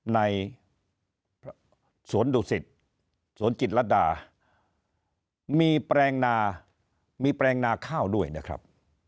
ในสวนดุสิตสวนจิตรดามีแปลงนามีแปลงนาข้าวด้วยนะครับ